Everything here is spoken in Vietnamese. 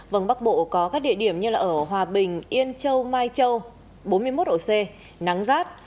vâng bắc bộ có các địa điểm như ở hòa bình yên châu mai châu bốn mươi một độ c nắng rát